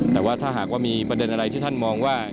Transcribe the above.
แต่ว่าถ้าหากว่ามีประเด็นอะไรที่ท่านมองว่า